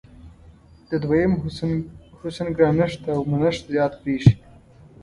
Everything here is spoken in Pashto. د دویم حسن ګرانښت او منښت زیات برېښي.